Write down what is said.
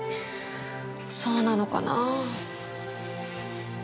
そうなのかなぁ。